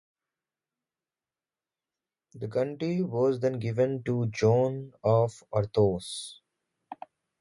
The county was then given to John of Artois.